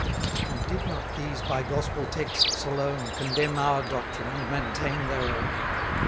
And did not these by gospel texts alone Condemn our doctrine, and maintain their own?